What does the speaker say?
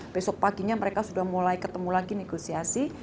besok paginya mereka sudah mulai ketemu lagi negosiasi